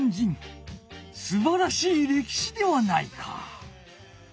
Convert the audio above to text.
すばらしいれきしではないか！